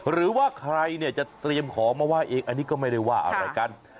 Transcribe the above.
หรือว่าใครเนี่ยจะเตรียมของมาไหว้เองอันนี้ก็ไม่ได้ว่าอะไรกัน